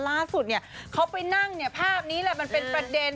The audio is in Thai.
ล่าสุดเขาไปนั่งภาพนี้แหละมันเป็นประเด็น